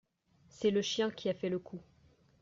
C’est le chien qui a fait le coup.